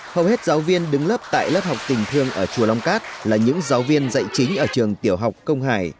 hầu hết giáo viên đứng lớp tại lớp học tình thương ở chùa long cát là những giáo viên dạy chính ở trường tiểu học công hải